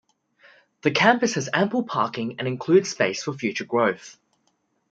The campus has ample parking and includes space for future growth.